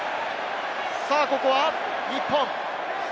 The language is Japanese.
ここは日本。